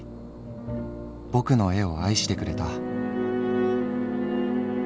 ぼくの絵を愛してくれた」。